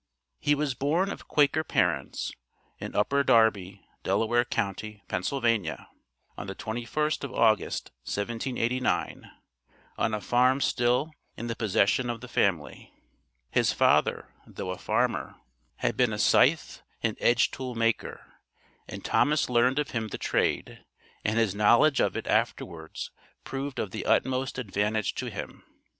He was born of Quaker parents, in Upper Darby, Delaware county, Pa., on the 21st of August, 1789, on a farm still in the possession of the family. His father, though a farmer, had been a scythe and edge tool maker, and Thomas learned of him the trade, and his knowledge of it afterwards proved of the utmost advantage to him.